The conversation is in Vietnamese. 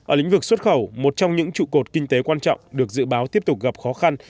ở lĩnh vực xuất khẩu một trong những trụ cột kinh tế quan trọng được dự báo tiếp tục gặp khó khăn